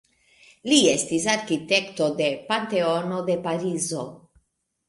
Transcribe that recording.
Li estis arkitekto de Panteono de Parizo.